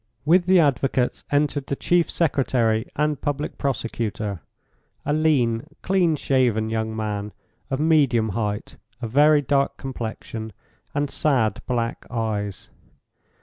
With the advocates entered the chief secretary and public prosecutor, a lean, clean shaven young man of medium height, a very dark complexion, and sad, black eyes.